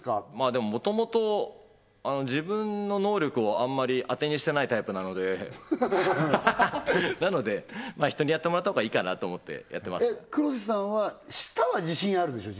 でも元々自分の能力をあんまりアテにしてないタイプなのではははっなので人にやってもらった方がいいかなと思ってやってます黒瀬さんは舌は自信あるでしょ？